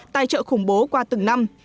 tài trợ khủng bố qua từng năm